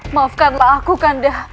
maafkanlah aku kanda